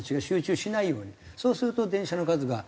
そうすると電車の数が。